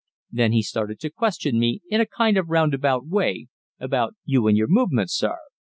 Then he started to question me, in a kind of roundabout way, about you and your movements, sir."